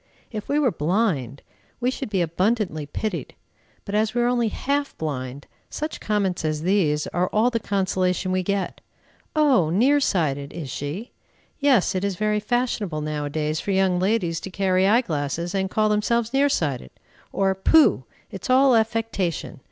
If we were blind, we should be abundantly pitied, but as we are only half blind, such comments as these are all the consolation we get. "Oh! near sighted, is she? Yes, it is very fashionable now a days for young ladies to carry eye glasses, and call themselves near sighted!" Or, "Pooh! It's all affectation.